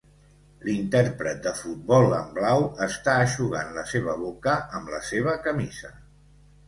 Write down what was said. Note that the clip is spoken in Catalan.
L'intèrpret de futbol en blau està eixugant la seva boca amb la seva camisa